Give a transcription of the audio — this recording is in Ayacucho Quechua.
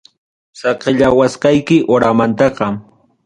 Saqellawasqayki horamantaqa.